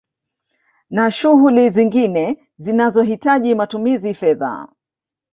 Na shughuli nyingine zinazo hitaji matumizi fedha